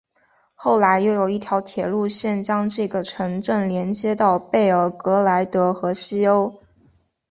后来又有一条铁路线将这个城镇连接到贝尔格莱德和西欧。